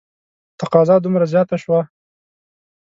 تقاضا دومره زیاته شوه.